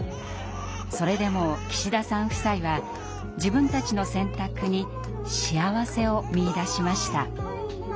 それでも岸田さん夫妻は自分たちの選択にしあわせを見いだしました。